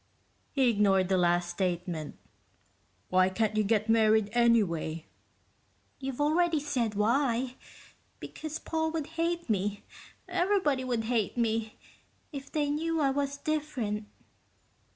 He ignored the last statement. "Why can't you get married, anyway?" "You've already said why. Because Paul would hate me everybody would hate me if they knew I was different."